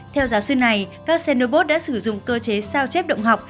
theo giáo sư này các xenobot đã sử dụng cơ chế sao chép động học